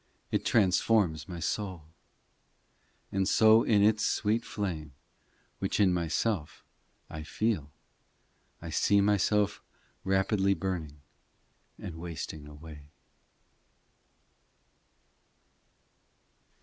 It transforms my soul ; And so in its sweet flame, Which in myself I feel, I see myself rapidly burning And wasting away.